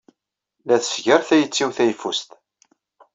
La tesgar tayet-iw tayeffust.